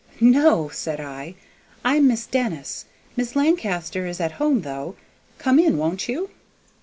"No," said I, "I'm Miss Denis: Miss Lancaster is at home, though: come in, won't you?"